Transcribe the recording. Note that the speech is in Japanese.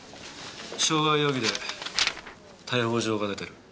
傷害容疑で逮捕状が出てる。